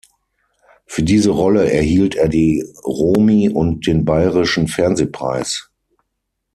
Für diese Rolle erhielt er die Romy und den Bayerischen Fernsehpreis.